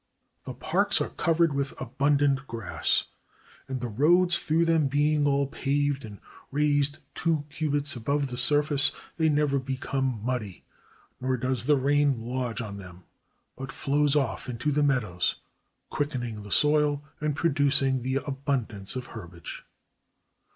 The parks are cov ered with abundant grass; and the roads through them being all paved and raised two cubits above the surface, they never become muddy, nor does the rain lodge on them, but flows off into the meadows, quickening the soil and producing that abundance of herbage.